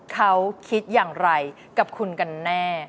เขาคิดอย่างไรกับคุณกันแน่